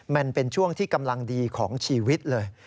มันเป็นช่วงที่กำลังดีของชีวิตเลย